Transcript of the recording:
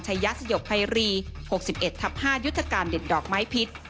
ยะสยบภัยรี๖๑ทับ๕ยุทธการเด็ดดอกไม้พิษ